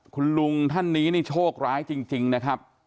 คุณลุงท่านนี้นี่โชคร้ายจริงนะครับ